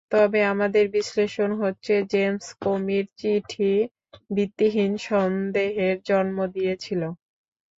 তবে আমাদের বিশ্লেষণ হচ্ছে, জেমস কোমির চিঠি ভিত্তিহীন সন্দেহের জন্ম দিয়েছিল।